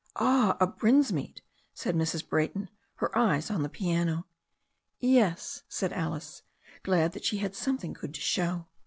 "Ah, a Brinsmead!" said Mrs. Brayton, her eyes on the piano. "Yes," said Alice, glad that she had something good to show.